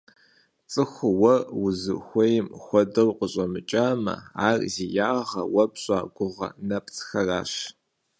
Цӏыхур уэ узэрыхуейм хуэдэу къыщӏэмыкӏамэ, ар зи ягъэр уэ пщӏа гугъэ нэпцӏхэращ.